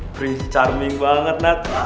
berisi charming banget nat